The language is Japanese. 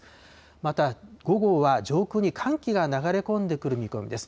また午後は上空に寒気が流れ込んでくる見込みです。